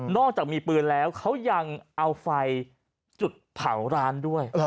อกจากมีปืนแล้วเขายังเอาไฟจุดเผาร้านด้วย